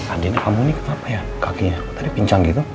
adiknya kamu ini kenapa ya kakinya tadi pincang gitu